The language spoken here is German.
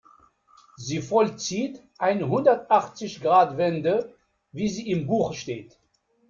Sie vollzieht eine Hundertachzig-Grad-Wende, wie sie im Buche steht.